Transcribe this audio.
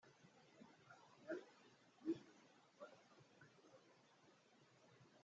Al final, Suzy se hizo más famosa que Dorian.